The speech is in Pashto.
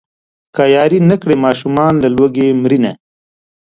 که ياري نه کړي ماشومان له لوږې مرينه.